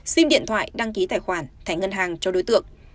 xin điện thoại đăng ký tài khoản thẻ ngân hàng cho đối tượng